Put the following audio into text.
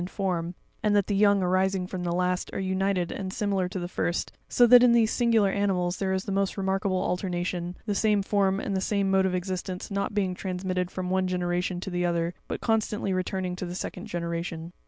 in form, and that the young arising from the last are united and similar to the first; so that in these singu lar animals there is the most remarkable alternation, the same form and the same mode of existence not being transmitted from one generation to the other, but constantly returning to the second generation.